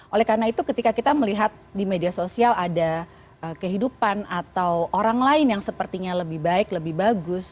oleh karena itu ketika kita melihat di media sosial ada kehidupan atau orang lain yang sepertinya lebih baik lebih bagus